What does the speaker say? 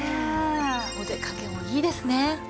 お出かけもいいですね。